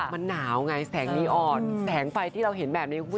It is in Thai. มันหนาวไงแสงนีอ่อนแสงไฟที่เราเห็นแบบนี้